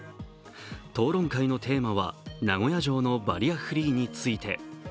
討論会のテーマは名古屋城のバリアフリーについて。